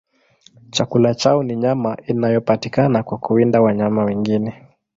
Chakula chao ni nyama inayopatikana kwa kuwinda wanyama wengine.